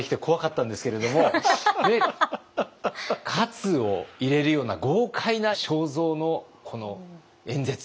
活を入れるような豪快な正造のこの演説。